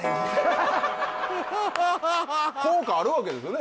効果あるわけですよね？